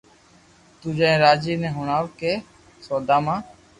تو جائينن راجي ني ھوڻاو ڪي سوداما